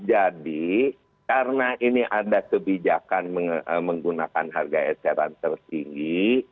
jadi karena ini ada kebijakan menggunakan harga eceran tertinggi